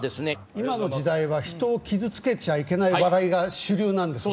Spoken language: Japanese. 今の時代は、人を傷つけちゃいけない笑いが主流なんですよ。